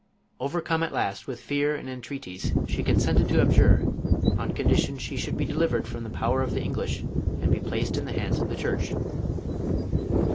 Overcome at last with fear and en treaties she consented to abjure, on condition she should be delivered from the power of the English and be placed in the hands of the church.